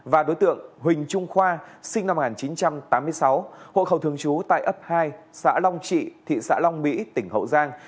và đối tượng huỳnh trung khoa sinh năm một nghìn chín trăm tám mươi sáu hộ khẩu thường trú tại ấp hai xã long trị thị xã long mỹ tỉnh hậu giang